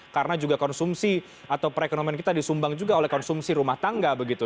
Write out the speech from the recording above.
karena juga konsumsi atau perekonomian kita disumbang juga oleh konsumsi rumah tangga begitu